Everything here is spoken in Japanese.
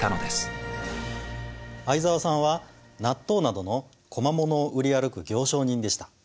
相沢さんは納豆などの小間物を売り歩く行商人でした。